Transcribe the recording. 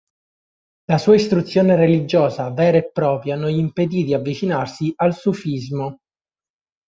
La sua istruzione religiosa vera e propria non gli impedì di avvicinarsi al sufismo.